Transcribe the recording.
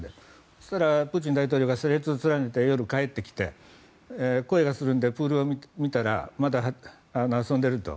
そうしたらプーチン大統領が車列を連ねて夜、帰ってきて声がするのでプールを見たらまだ遊んでいると。